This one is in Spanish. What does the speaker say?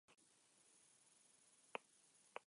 La sede del condado es Floyd.